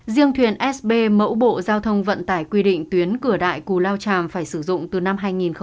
riêng thuyền sb mẫu bộ giao thông vận tải quy định tuyến cửa đại cù lao chàm phải sử dụng từ năm hai nghìn một mươi